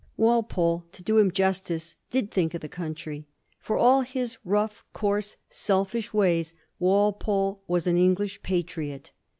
1787. A ROYAL LOVE LETTER 76 Walpole^ to do him justice, did think of the country. For all his rough, coarse, selfish ways, Walpole was an English patriot.